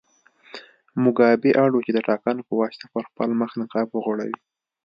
موګابي اړ و چې د ټاکنو په واسطه پر خپل مخ نقاب وغوړوي.